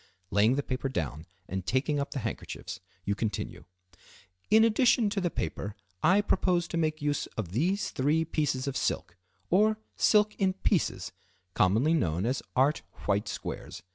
Laying the paper down and taking up the handkerchiefs, you continue. "In addition to the paper, I propose to make use of these three pieces of silk, or silk in pieces, commonly known as art white squares.